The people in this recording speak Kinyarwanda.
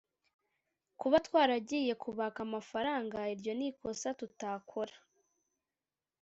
Kuba twaragiye kubaka amafaranga iryo n’ikosa tutakora